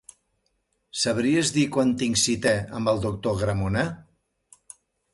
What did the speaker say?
Sabries dir quan tinc cita amb el doctor Gramona?